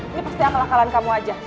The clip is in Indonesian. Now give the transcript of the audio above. ini pasti akalan kamu aja